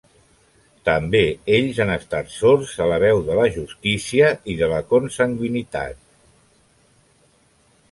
També ells han estat sords a la veu de la justícia i de la consanguinitat.